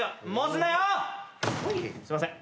すいません。